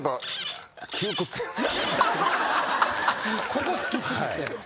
ここつき過ぎて。